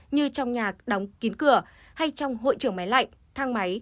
như trong nhà đóng kín cửa hay trong hội trưởng máy lạnh thang máy